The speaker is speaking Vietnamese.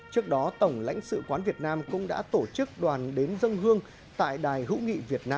trước đó tổng lãnh sự quán việt nam cũng đã tổ chức đoàn đến dân hương tại đài hữu nghị việt nam